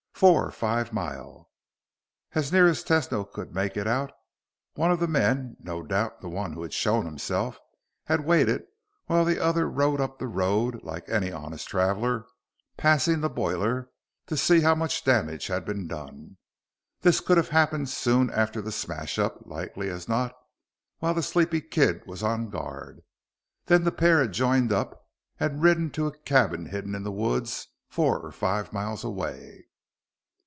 "Four five mile." As near as Tesno could make it out, one of the men no doubt the one who had shown himself had waited while the other rode up the road like any honest traveler, passing the boiler to see how much damage had been done. This could have happened soon after the smash up, likely as not while that sleepy kid was on guard. Then the pair had joined up again and ridden to a cabin hidden in the woods four or five miles away.